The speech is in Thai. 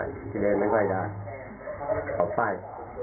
เขาก็เลยไม่ค่อยได้ออกไป